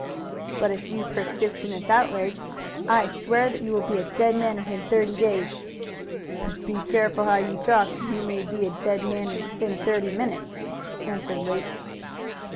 "But if you persist in this outrage I swear that you will be a dead man within thirty days." "Be careful how you talk or you may be a dead man within thirty minutes," answered Luke.